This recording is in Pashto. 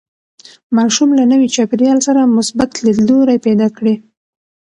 ماشوم له نوي چاپېریال سره مثبت لیدلوری پیدا کړي.